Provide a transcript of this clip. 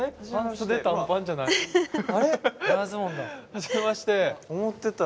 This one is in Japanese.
はじめまして。